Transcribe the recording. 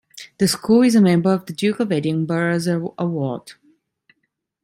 The school is a member of the Duke of Edinburgh's Award.